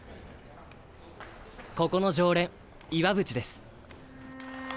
ここの常連岩渕です。